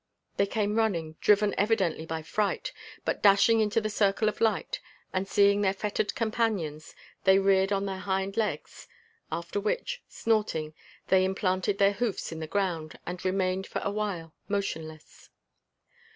They came running, driven evidently by fright, but dashing into the circle of light and seeing their fettered companions, they reared on their hind legs; after which, snorting, they implanted their hoofs in the ground and remained for a while motionless.